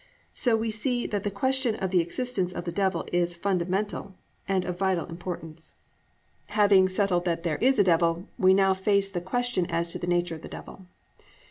So we see that the question of the existence of the Devil is fundamental and of vital importance. II. THE NATURE OF THE DEVIL Having settled it that there is a Devil, we now face the question as to the nature of the Devil.